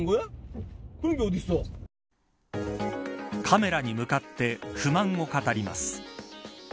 カメラに向かって不満を語ります。